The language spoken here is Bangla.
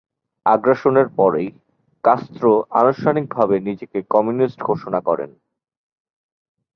আগ্রাসনের পরই, কাস্ত্রো আনুষ্ঠানিকভাবে নিজেকে কমিউনিস্ট ঘোষণা করেন।